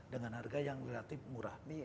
dengan harga yang relatif murah